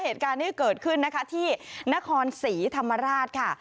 เหตุการณ์นี้เกิดขึ้นนะคะที่นครศรีธรรมราชค่ะ